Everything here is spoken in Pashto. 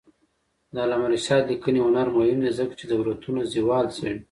د علامه رشاد لیکنی هنر مهم دی ځکه چې دولتونو زوال څېړي.